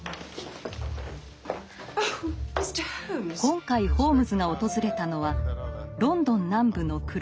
今回ホームズが訪れたのはロンドン南部のクロイドン。